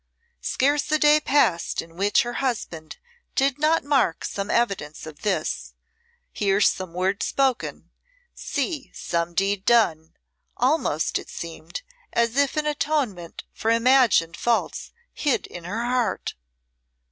Scarce a day passed in which her husband did not mark some evidence of this hear some word spoken, see some deed done, almost, it seemed, as if in atonement for imagined faults hid in her heart.